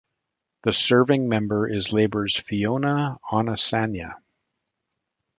The serving Member is Labour's Fiona Onasanya.